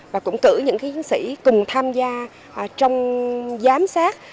và cũng cử những chiến sĩ cùng tham gia trong giám sát